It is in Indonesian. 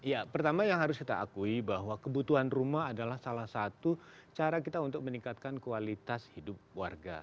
ya pertama yang harus kita akui bahwa kebutuhan rumah adalah salah satu cara kita untuk meningkatkan kualitas hidup warga